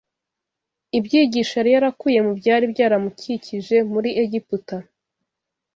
Ibyigisho yari yarakuye mu byari byaramukikije muri Egiputa